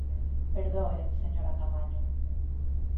Perdoe, señora Caamaño.